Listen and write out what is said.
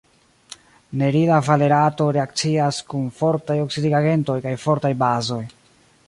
Nerila valerato reakcias kun fortaj oksidigagentoj kaj fortaj bazoj.